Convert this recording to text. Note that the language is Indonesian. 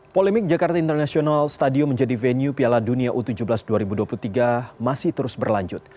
polemik jakarta international stadium menjadi venue piala dunia u tujuh belas dua ribu dua puluh tiga masih terus berlanjut